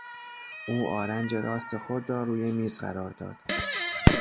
او آرنج راست خود را روی میز قرار داد.